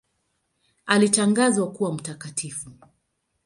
Alitangazwa kuwa mtakatifu.